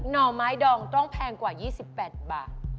ห่อไม้ดองต้องแพงกว่า๒๘บาท